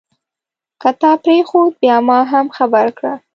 که تا پرېښود بیا ما هم خبر کړه.